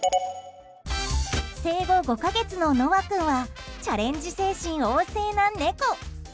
生後５か月のノワ君はチャレンジ精神旺盛な猫。